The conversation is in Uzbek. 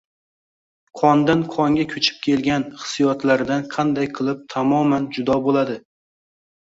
qondan qonga ko’chib kelgan hissiyotlaridan qanday qilib tamoman judo bo’ladi?